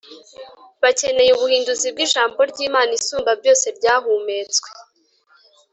bakeneye ubuhinduzi bw Ijambo ry Imana Isumbabyose ryahumetswe